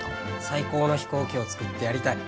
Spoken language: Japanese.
最高の飛行機を作ってやりたい。